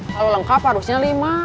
kalau lengkap harusnya lima